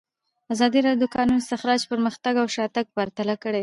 ازادي راډیو د د کانونو استخراج پرمختګ او شاتګ پرتله کړی.